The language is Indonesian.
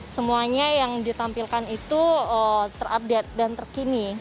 semuanya yang ditampilkan itu terupdate dan terkini